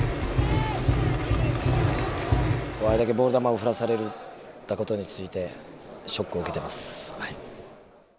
あれだけボール球を振らされたことについてショックを受けてますはい。